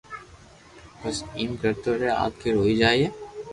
بس ايم ڪرتو رھي آخر ھوئي جائين